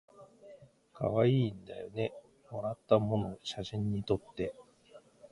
かわいいんだよねもらったもの写真にとって